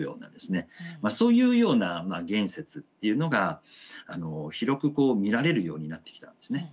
そういうような言説っていうのが広く見られるようになってきたんですね。